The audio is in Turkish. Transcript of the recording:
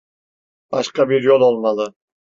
Başka bir yol olmalı.